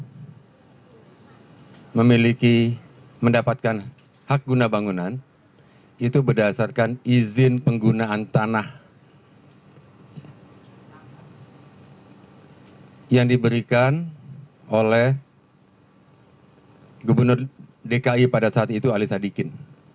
saya memiliki mendapatkan hak guna bangunan itu berdasarkan izin penggunaan tanah yang diberikan oleh gubernur dki pada saat itu ali sadikin